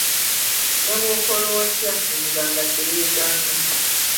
Ne bw’okola otya, omuganga teyeeganga.